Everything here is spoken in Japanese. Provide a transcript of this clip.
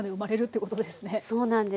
そうなんです。